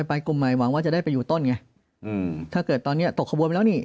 ไปกลุ่มใหม่หวังว่าจะได้ไปอยู่ต้นไงอืมถ้าเกิดตอนเนี้ยตกขบวนไปแล้วนี่